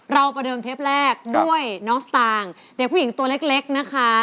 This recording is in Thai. ประเดิมเทปแรกด้วยน้องสตางค์เด็กผู้หญิงตัวเล็กนะคะ